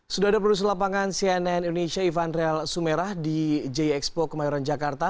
sudah ada produser lapangan cnn indonesia ivanrel sumerah di jxpo kemayoran jakarta